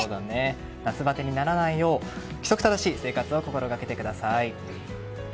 夏バテにならないよう規則正しい生活を心がけてください。